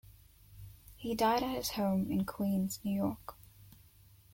He died at his home in Queens, New York.